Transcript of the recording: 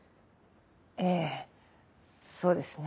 ええそうですね。